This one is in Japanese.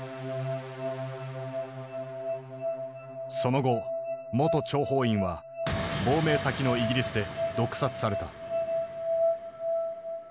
その後元諜報員は亡命先のイギリスで毒殺された。